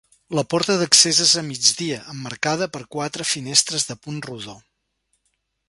La porta d'accés és a migdia, emmarcada per quatre finestres de punt rodó.